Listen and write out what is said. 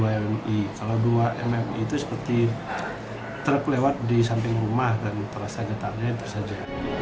kalau dua mmi itu seperti terlewat di samping rumah dan terasa getarnya itu saja